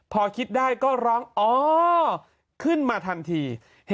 พอคิดได้ก็ร้องอ๋อขึ้นมาทันที